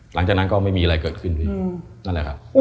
หลังจากนั้นก็ไม่มีอะไรเกิดขึ้นพี่